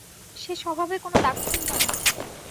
সে স্বভাবে কোনো দাক্ষিণ্য নেই।